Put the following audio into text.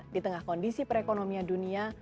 di tengah kondisi perekonomian dunia